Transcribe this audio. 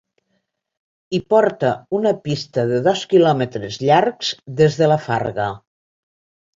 Hi porta una pista de dos quilòmetres llargs des de la Farga.